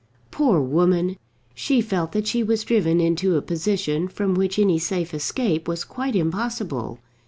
Poor woman! She felt that she was driven into a position from which any safe escape was quite impossible.